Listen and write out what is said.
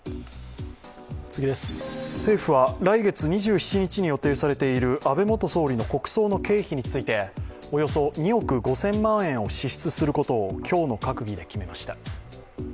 政府は来月２７日に予定されている安倍元総理の国葬の経費についておよそ２億５０００万円を支出することを今日の閣議で決めました。